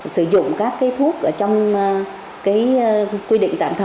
sử dụng các thuốc trong quy định tạm thức